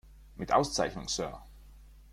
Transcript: Mit Auszeichnung, Sir!